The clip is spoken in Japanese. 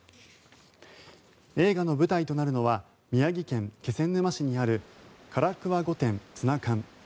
映画の舞台となるのは宮城県気仙沼市にある唐桑御殿つなかん。